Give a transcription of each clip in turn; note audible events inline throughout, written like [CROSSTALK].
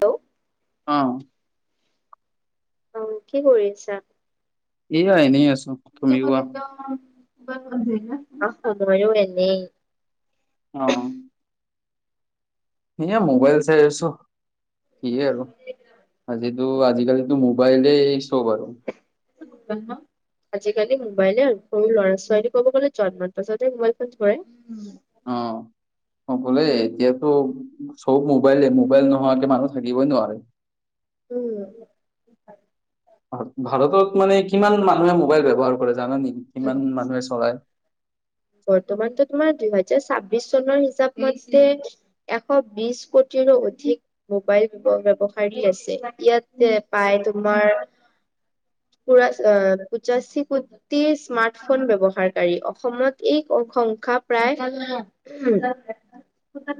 Hello? অ'। অ' কি কৰি আছা? এইয়া এনেই আছো। তুমি কোৱা? [UNINTELLIGIBLE] মইয়ো এনেই। অ'। এনে মোবাইল চাই‌ আছো। সি আৰু আজিটো আজিকালিতো মোবাইলে চব আৰু। [UNINTELLIGIBLE] আজিকালি মোবাইলে সৰু ল'ৰা- ছোৱালী ক'ব গ'লে জন্মৰ পাছতে মোবাইল ফোন ধৰে, উম। অ'। অকলে এতিয়াতো চব মোবাইলে, মোবাইল নোহোৱাকে মানুহ থাকিবই নোৱাৰে। উম। হয়। ভা ভাৰতত মানে কিমান মানুহে মোবাইল ব্যৱহাৰ কৰে জানা নি কিমান মানুহে চলায়? বৰ্তমানতো তোমাৰ দুহেজাৰ ছাব্বিশ চনৰ হিচাপ মতে এশ বিশ কোটিৰো অধিক মোবাইল ব্যৱ ব্যৱহাৰি আছে ইয়াতে পাই তোমাৰ পুৰাছ আ পঁচাশী কোটিৰ স্মাৰ্ট ফোন ব্যৱহাৰকাৰী, অসমত একঅশংসা প্ৰায় [UNINTELLIGIBLE] উম।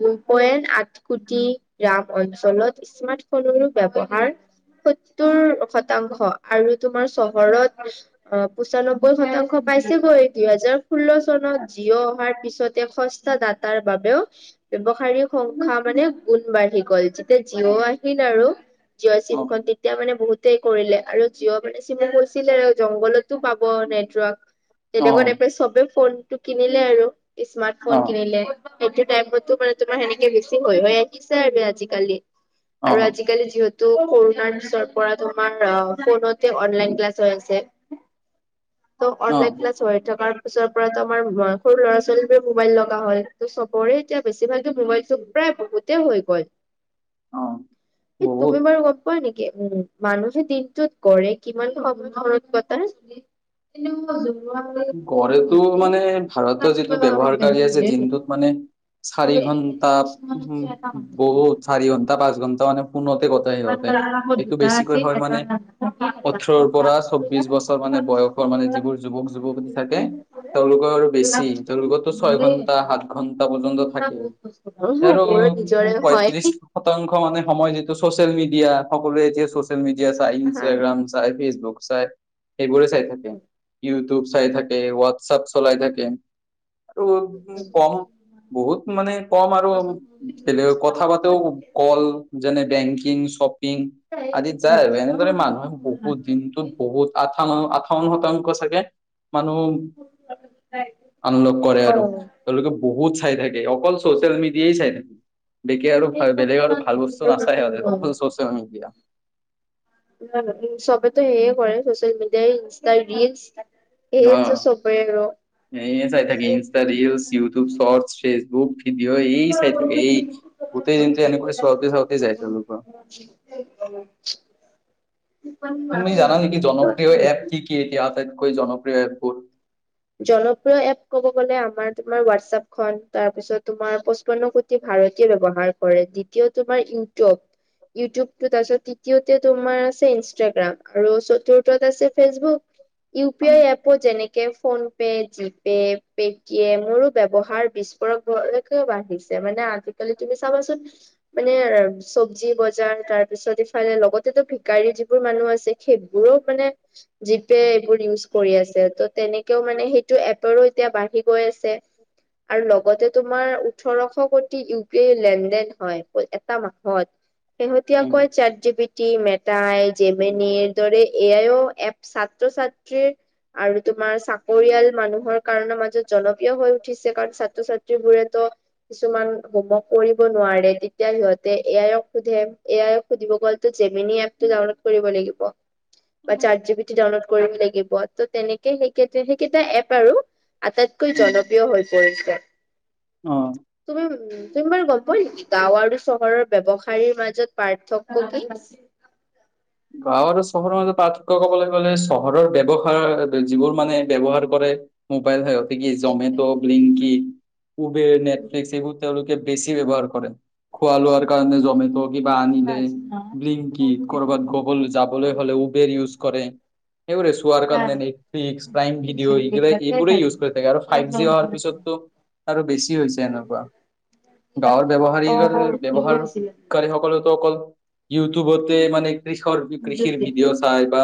দুই পইণ্ট আঠ কোটি গ্ৰাম অঞ্চলত স্মাৰ্ট ফোনৰো ব্যৱহাৰ সত্তৰ শতাংশ আৰু তোমাৰ চহৰত অ পঁচানব্বৈ শতাংশ বাইছে গৈ দুই হাজাৰ ষোল্ল চনত জিঅ' অহাৰ পিছতে সস্তা দাতাৰ বাবেও ব্যৱহাৰি সংখ্যা মানে গুণ বাঢ়ি গ'ল যেতিয়া জিঅ অ', আহিল আৰু জীয়ৰ অ', চিমখন তেতিয়া মানে বহুতেই কৰিলে আৰু জীয়ৰ মানে চিমো কৈছিলে জংঘলত টো পাব নেটৱৰ্ক। তেনেকুৱা অ', টাইপে চবে ফোনটো কিনিলে আৰু স্মাৰ্ট ফোন অ', কিনিলে। এইটো টাইমতো মানে তোমাৰ সেনেকে বেছি হৈ হৈ আহিছে আৰু আজিকালি। আৰু অ', আজিকালি জিঅত ত কৰোণাৰ পিছৰপৰা তোমাৰ আ ফোনতে অনলাইন ক্লাছ হৈ আছে। ত অনলাইন অ', ক্লাছ হৈ থকাৰ পিছৰ পৰাতো আমাৰ হোৱা সৰু ল'ৰা - ছোৱালীবোৰে মোবাইল লগা হল, ত' চবৰে এতিয়া বেছিভাগে মোবাইল [UNINTELLIGIBLE] প্ৰায় বহুত। তে হৈ গ'ল। [INAUDIBLE] এই বহুত। তুমি বাৰু গ হয় নেকি? উম মানুহে দিনটোত কৰে কিমান ঘৰ কত তাৰ? তেনেকুৱা যোগ্য লগে। টো মানে ভাৰতৰ যিটো ব্যৱহাৰকাৰী আছে দিনটোত মানে- চাৰি ঘন্টা বহুত চাৰি ঘণ্টা, পাঁচ ঘণ্টা মানে- ফোনতে কটাই সিহঁতে। এইটো বেছিকৈ হয় মানে ওঠৰৰ পৰা চৌবিশ বছৰ মানে বয়স- মানে যিবোৰ যুৱক যুৱতী থাকে তেওঁলোকৰ আৰু বেছি তেওঁলোকতো ছয় ঘন্টা সাত- ঘণ্টা পৰ্যন্ত থাকে। ইয়াৰ হয়, মোৰো নিজৰে হয় পয়ত্ৰশ- শতাংশ মানে সময় যিটো চচিয়েল মিডিয়া সকলোৱে এতিয়া চচিয়েল মিডিয়া চাই হা। ইনষ্টাগ্ৰাম। তাইপিছ ঘোচাই সেইবোৰে চাই থাকে, উম। য়ো- টোব চাই থাকে, হোৱাটছঅপ চলাই থাকে। আৰু কম- বহুত মানে কম আৰু বেলেগ কথা পাতিও- কল যেনে বেংকিং চপ- পিং আদি যায় আৰু এনেদৰে মানুহে বহুত দিনটোত- বহুত আঠা মান আঠাৱন শতাংশ চাগে মানুহ- আনলক কৰে অ। আৰু। তেওঁলোকে বহুত চাই থাকে অকল চচিয়েল মিডিয়াই চাই থাকে। বেকে আৰু উম বেলেগ আৰু ভাল বস্তু নাচায় আৰু অকল চচিয়েল মিডিয়া। চবেতো সেয়ে কৰে ছ'চিয়েল মিডিয়াই ইনষ্টা ৰিলচ- অ এইটো চবে আৰু। ইনষ্টাত ৰীলছ, ইউটিউব, চটছ ফেচবুক- কি এই চাই থাকে এই গোটেই দিনটো এনেকৈ চাওঁতে চাওঁতে যাই তেওঁলোকৰ। উ অ', তুমি জানা নেকি উম। জনপ্ৰিয় এপ কি কি এতিয়া আটাইতকৈ জনপ্ৰিয় এপবোৰ? জনপ্ৰিয় এপ ক'ব গ'লে আমাৰ তোমাৰ হোৱাটছপ খ তাৰপিছত তোমাৰ পচপন্নো- ভাৰতীয় ব্যৱহাৰ কৰে। দ্বিতীয় তোমাৰ ইউটিউব। ইউটিউবটো তাৰপিছত তৃতীয়তে তোমাৰ আছে ইনষ্টাগ্ৰাম আৰু চতুৰ্থত আছে Facebook. U uh P I এপত যেনেকে- ফোনপে' জিপে' পে'টিএম মোৰো ব্যৱহাৰ বিস্ফোৰকলৈকেও বাঢ়িছে মানে আ- জি কালি তুমি চাবাচোন, মানে চব্জি বজাৰ তাৰ পিছত ইফালে লগতেতো ভিকাৰী যিবোৰ মানুহ আছে- সেইবোৰো মানে জিপে এইবোৰ ইউজ কৰি আছে, ত তেনেক- এতিয়াও মানে সেইটো এপৰো এতিয়া বাঢ়ি গৈ আ- ছে। আৰু লগতে তোমাৰ ওঠৰশ ক- টি ইউ পিয়াৰ লেন দেন হয়, এটা মাহত উম শেহতীয়াকৈ চাত জি পি- টি মেটাই জেমেনি দৰে এয়াও এক ছাত্ৰ-ছাত্ৰীৰ- আৰু তোমাৰ চা- পৰিয়াল মানুহৰ কাৰণে মাজত জনপ্ৰিয় হৈ উঠিছে, কাৰণ ছাত্ৰ ছাত্ৰী বোৰেতো- কিছুমান হোমৱৰ্ক কৰিব নোৱাৰে, তেতিয়া সিহঁতে এ আইক সোধে, এ আইক- সুধিব গ'লো জেমিনি এপটো ডাউনলোড কৰিব লাগিব। বা chat G P T download কৰিব লাগিব, ত তেনেকে সেইকেই সেইকেইটাই এপ আৰু। আটাইতকৈ উম জনপ্ৰিয় হৈ পৰিছে। অ' তুমি- তুমি বাৰু গম পোৱা নেকি? গাও আৰু চহৰৰ ব্যবসায়ীৰ মাজত পাৰ্থক্য কি? গাঁও আৰু চহৰৰ মাজত পাৰ্থক্য ক'বলৈ গ'লে চহৰৰ ব্যৱসায়- যিবোৰ মানে ব্যৱহাৰ কৰে। মোবাইল সতি কি জমেট লিংকি। উবেৰ, নেটফ্লিক্স এই বোৰ তেওঁলোকে বেছি ব্যৱহাৰ কৰে। খোৱা লোৱাৰ কাৰণে জমেট' কিবা আনিলে। ব্লিংকিত কৰ'বাত যাবলৈ হ'লে উবেৰ ইউজ কৰে। সেইবোৰে টোহাৰ কাৰনে নেটফ্লিক্স প্ৰাইম ভিডিঅ এই, এইব ইউজ কৰি থাকে, আৰু ফাইভ জি হাৰ পিছতো আৰু বেছি হৈছে। এনেকুৱা, গাঁৱৰ ব্যৱহাৰী ব্যৱহাৰ [UNINTELLIGIBLE] সকলেতো অকল ইউটিউবতে মানে। কৃষ, কৃষিৰ ভিডিঅ, চাই বা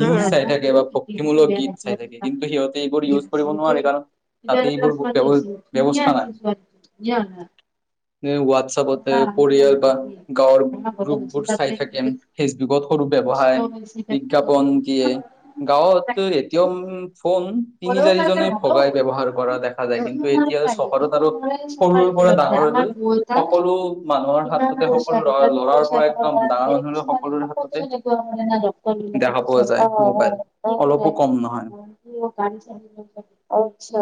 নিউজ চাই থাকে, বা ভক্তিমূলক গীত। চাই থাকে। কিন্তু সিহঁতে এইবোৰ ইউজ কৰিব নোৱাৰে। কাৰণ তাতে এইবোৰ ব্যৱস্থা নাই। ন', ন, হোৱাটছএপতে পৰিয়াল বা গাঁৱৰ গ্ৰুপবোৰ চাই থাকে। ফেচবুকত সৰু ব্যৱসায়, বিজ্ঞাপন কি? গাঁৱত এতিয়াও ফোন তিনি চাৰিজনেই ভগাই ব্যৱহাৰ কৰা দেখা যায়, কিন্তু এতিয়া চহৰত আৰু সৰুৰ পৰা ডাঙৰ [UNINTELLIGIBLE] সকলো মানুহৰ হাততে সকলো ল, লৰাৰ পৰা একদম ডাঙৰ মানুহলে সকলোৰে হাততে দেখা পইচা পোৱা যায়, অ অ মোবাইল অলপো কম নহয়। [UNINTELLIGIBLE] [UNINTELLIGIBLE] আচ্ছা,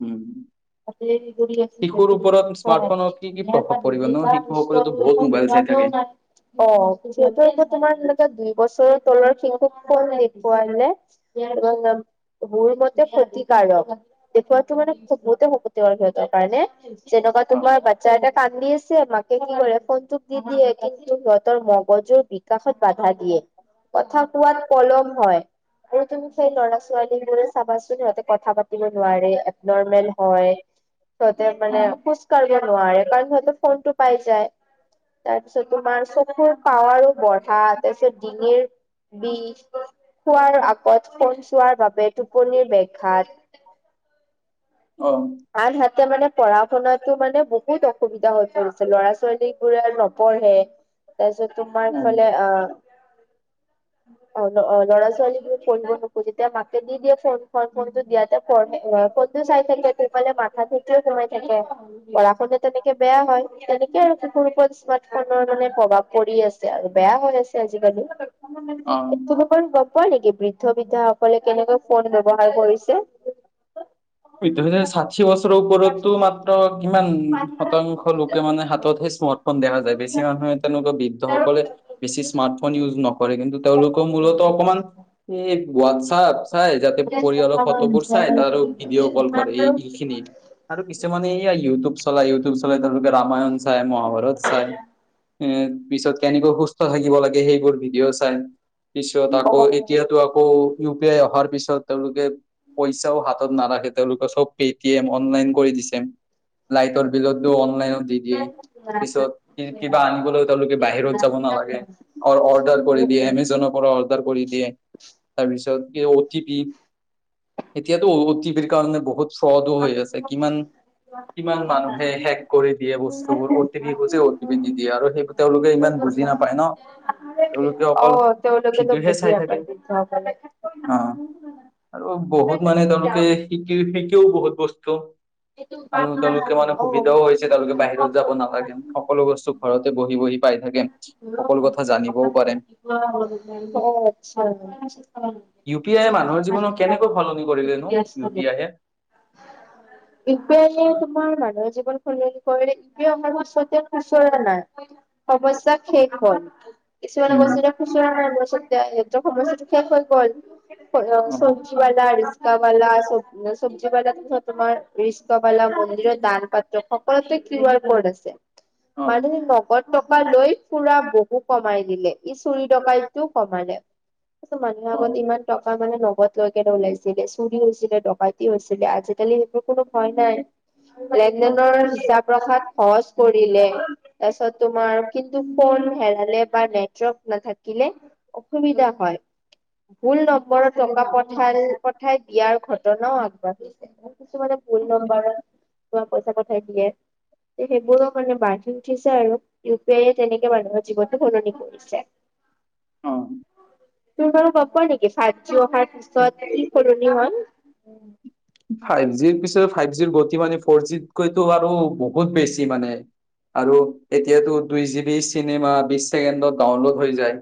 উম', [UNINTELLIGIBLE] শিশুৰ ওপৰত ধুনটা স্মাৰ্টফোনৰ কি কি প্ৰভাৱ পৰিব এটা ন শিশুসকলেতো বহুত নোৱটোও মোবাইল চাই থাকে নাই। অ', সিহেতুৌ তোমাৰ এনেকে দুই বছৰৰ তলৰ শিংশুখন দেখুৱে। মোৰ মতে ক্ষতিকাৰাৰক, দেখুৱাতটো মানে, বহুতে শক সিহঁতৰ কাৰণে, যেনে কোৱা অ তোমাৰ বাচ্ছা এটা কান্দি আছে। মাক কি কৰে। ফোনটোক দি দিয়ে। কিন্তু সিহঁতৰ মগজুৰ বি বিকাশত বাধা দিয়। কথা কোৱাত পলম হয়। আৰু তুমি সেই ল'ৰা ছোৱালী বোৰে চাবাচোন, সিহতে কথা পাতিব নোৱাৰে নৰ্মেল। হয়। সিহঁতে মানে অ খোজ কঢ়িব নোৱাৰে, কাৰণ সিহঁতে ফোন টো পাই যায়। তাৰপিছত তোমাৰ চখুৰ পাৱাৰো বঢ়া তাৰপিছত ডিঙিৰ বিষ, খোৱাৰ আগত খন চোৱাৰ বাবে টোপনিৰ বঘাত অ', আনহাতে মানে পঢ়া শুনাতো মানে বহুত অসুবিধা হৈ পৰিছে। ল'ৰা ছোৱালীক [UNINTELLIGIBLE] নপঢ়ে, তাৰপিছত তোমাৰ উম, ফালে আহ, অ', ল'ৰা ছোৱালী বোৰ পঢ়িব নোখোজে তেতিয়া মাকে দি দিয়ে ফোন। ক, কোনটো দিয়াতে পঢ কতু চাই থাকে। সফালে মাথাা থিও সোমাই থাকে। পঢ়া শুনা তেনেকে বেয়া হয়। তেনেকে আৰু চকুৰ ওপৰত স্মাৰ্ট ফোনৰ মানে প্ৰভাৱ পৰি আছে। আৰু বেয়া হৈ আছে। আজিকালি অ তকন গ পোৱা নেকি বৃদ্ধ বৃদ্ধাসকলে কেনেকে ফোন ব্যৱহাৰ কৰিছে। দুহজাৰ ষাঠি বছৰওৰতো মাত্ৰ কিমান শতাংশ লোক মানে হাতত স্মাৰত দেখা যায়। বেছি মানুহেনেক বি সকলে বেছি স্মাৰ্টফোন ইউজ নকৰে। কিন্তু তেওঁলোকৰ মূলতো অকমান এই হোৱাটছআপ চাই যাতে পৰিয়ালৰ ফটোবোৰ চাই ত ভিডিঅ' কল কৰে। এই আৰু কিছুমানে এয়া ইউটিউব চলাই। ফিলিম চালে তেওঁলোকে ৰামায়ণ চাই, মহাভাৰত চাই, এইয়ে পিছত কেনেকৈ সুস্থ থাকিব লাগে সেইবোৰ ভিডিঅ চাই। পিছত অ', আকৌ অ'। এতিয়াতো আকৌ ইউ পি আই অহাৰ পিছত তেওঁলোকে পইচাও হাত ত নাৰাখে। তেওঁলোকে চব পেটিয়েম অনলাইন কৰি দিছে। লাইটৰ বিলতো অনলাইনত দি দিয়ে। পিছত কিবা আনিবলৈও তেওঁলোকে বাহিৰত যাব নালাগে। অৰ অৰ্ডাৰ কৰি উম, দিয়ে, উম, এমেজনৰ পৰা অৰ্ডাৰ কৰি দিয়ে। তাৰপিছত কি অ টি পি ত অ টি পিৰ কাৰণে বহুত ফ্ৰদো হৈ আছে। কিমান, কিমান মানুহে হেক কৰি দিয়ে বস্তুবোৰ। অ টি পি খুজে, অ টি পি দি দিয়ে। আৰু সেই তেওঁলোকে ইমান বুজি নাপায় ন। তেওঁলোকে অ, অকল তেওঁলোকেটো ভিডিঅ'হে বুজি চাই থাকে নাপাই [UNINTELLIGIBLE] অ। আৰু বহুত মানে তেওঁলোকে শিকি শিকিও বহুত বস্তু, আৰু তেওঁলোকে মানে সুবিধাও হৈছে তেওঁলোকে বাহিৰত যাব নালাগে। সকলো বস্তু ঘৰতে বহি বহি পাই থাকে। সকলো কথা জানিবও পাৰে। অহ আচ্ছা। ইউ পি আইয়ে মানুহৰ জীৱনত কেনেকৈ সলনি কৰিলে নো ইউ পি আইয়ে? ইউ পি আইয়ে তোমাৰ মানুহৰ জীৱন সলনি কৰিলে, আমাৰ সতে কুচল নাই [UNINTELLIGIBLE] সমস্যা শেষ হ'ল। কিছুমান উম বস্তু এতিয়া খুচুৰা নাই লৈছে, এতিয়া সেইটো সমস্যাটো শেষ হৈ গ'ল। অ চজ্বি আলা, ৰি ৰিক্সাবালা [UNINTELLIGIBLE] চব্জিবালাৰ পিছত তোমাৰ ৰিক্সাবালা মন্দিৰত দান পাত্ৰ খন [UNINTELLIGIBLE] কৰতে কিউ আৰ কড আছে। অ মানে টকা লৈ ফুৰা বহু কমাই দিলে। ই চুৰি ডকাইতটো কমালে। মানুহে আগত অ ইমান টকা মানে নগদ লৈ কেনে ওলাইছিলে। চুৰী হৈছিলে, ডকাইতি হৈছিলে, আজিকালি সেইবোৰ কোনো ভয় নাই। লেনদেনৰ হিচাপ ৰখাত সহজ কৰিলে। তাৰপিছত, তোমাৰ কিন্তু ফোন হেৰালে বা নেটৱাৰ্ক নাথাকিলে, অসুবিধা হয়। ভুল নম্বৰত টকা পই খেল পঠাই দিয়াৰ ঘটনাও আগবাঢ়িছে। কিছু মানে ভুল নম্বাৰত কোৱা পইচা পঠাই দিয়ে। তে সেইবোৰৰ কাৰণে বাঢ়ি উঠিছে আৰু। ইউ পি আইয়ে তেনেকে মানুহৰ জীৱনটো সলনি কৰিছে। অ অ তুমি বাৰু গম পোৱা নেকি ফাইভ জি অহাৰ পিছত কি সলনি হল? ফাইভ জিৰ পিছত ফাইভ জিৰ গতি মানে ফৰ জিতকৈতো আৰু বহুত বেছি মানে। আৰু এতিয়াতো দুই জি বি চিনেমা বিশ ছেকেণ্ডত ডাউনলোড হৈ যায়।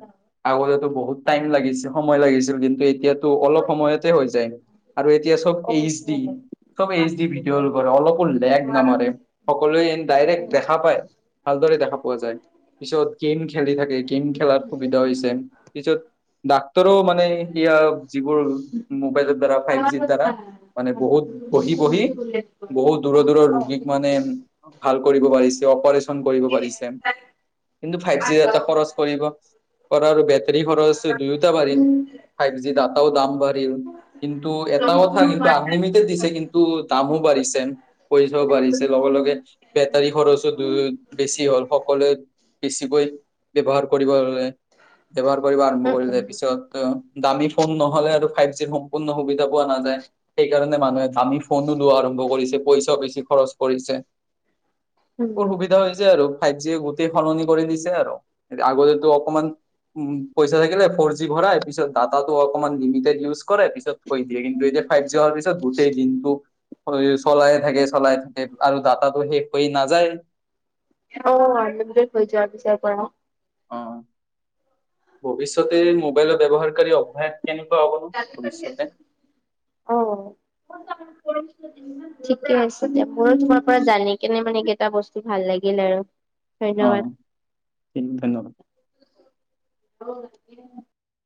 আগতেতো বহুত টাইম লাগিছিল, সময় লাগিছিল কিন্তু এতিয়াত ত অলপ সময়তে হৈ যায়। আৰু এতিয়া চব অ', এইচ ডি। অ', চব এইচ ডি ভিডিঅ কল [UNINTELLIGIBLE] অলপো লেগ নামাৰে। সকলোৱে যেন ডাইৰেক্ট দেখা পায়। ভালদৰে দেখা পোৱা যায়। পিছত গেম খেলি থাকে, গেম খেলাত সুবিধা হৈছে। পিছত ডাক্তৰো মানে ইয়া যিবোৰ মোবাইলৰ দ্বাৰা, ফাইভ জিৰ দ্বাৰা, মানে বহুত বহি বহি, বহুত দূৰৰ দূৰৰ ৰোগীক মানে ভাল কৰিব পাৰিছে। অপাৰেচন কৰিব পাৰিছে। কিন্তু ফাইভ জিৰ ডাটা খৰচ কৰিব, খৰৰ বেটৰী খৰচ দুয়োটা পাৰি বাঢ়িল ফাইভ জি তাত। টাও দাম বাঢ়িল, কিন্তু এটা কথা কিন্তু আনলিমিটেড দিছে কিন্তু দামো বাঢ়িছে। পইচাও বাঢ়িছে লগে-লগে। বেটাৰী খৰচো দু বেছি হ'ল। সকলোৱে বেছিকৈ ব্যৱহাৰ কৰিব ল'লে। ব্যৱহাৰ কৰিব আৰম্ভ কৰিলে। পিছত দামী ফোন নহলে আৰু ফাইভ জি সম্পূৰ্ণ সুবিধা পোৱা নাযায়। সেইকাৰণে মানুহে দামী ফোনো লোৱা আৰম্ভ কৰিছে, পইচাও বেছি খৰচ কৰিছে! [UNINTELLIGIBLE] সুবিধা হৈ যায় আৰু ফাইভ জি [UNINTELLIGIBLE] সলনি কৰি দিছে আৰু আগতেটো অকমান উ, পইচা থাকিলে ফৰ জি ভৰাই, পিছত ডাটো অকমান লিমিটেড ইউজ কৰে! পিছত দিয়ে, কিন্তু এই যে ফাইভ জি হোৱাৰ পিছত গোটেই দিনটো চলায়ে থাকে, চলাই থাকে আৰু ডাটাতো শেষ হৈ নাযায়! [UNINTELLIGIBLE] অ'! ভৱিষ্যতে মোবাইলৰ ব্যৱহাৰকাৰী অভ্যাস কেনেকুৱা হ'ব নো ভৱিষ্যতে অঁ! ঠিকে আছে দিয়া! মোৰো তোমাৰ পৰা জানি কেনে মানে এইকেইটা বস্তু ভাল লাগিল আৰু! অ ধন্যবাদ! ঠিক ধন্যবাদ